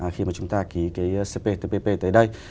khi mà chúng ta ký cái cptpp tới đây